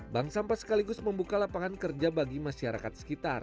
bank sampah sekaligus membuka lapangan kerja bagi masyarakat sekitar